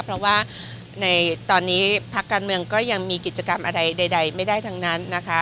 เพราะว่าในตอนนี้พักการเมืองก็ยังมีกิจกรรมอะไรใดไม่ได้ทั้งนั้นนะคะ